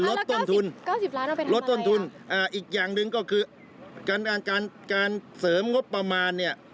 ลดต้นทุนลดต้นทุนอีกอย่างหนึ่งก็คือการเสริมงบประมาณนี่